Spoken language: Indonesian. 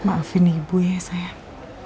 maafin ibu ya sayang